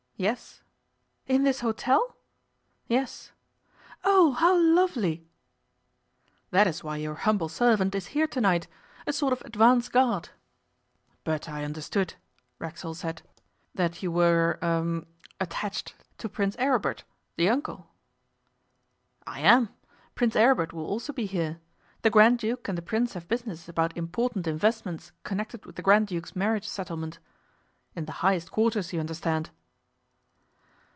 'Yes.' 'In this hotel?' 'Yes.' 'Oh! How lovely!' 'That is why your humble servant is here to night a sort of advance guard.' 'But I understood,' Racksole said, 'that you were er attached to Prince Aribert, the uncle.' 'I am. Prince Aribert will also be here. The Grand Duke and the Prince have business about important investments connected with the Grand Duke's marriage settlement.... In the highest quarters, you understand.